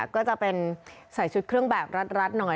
ก็จะเป็นใส่ชุดเครื่องแบบรัดหน่อย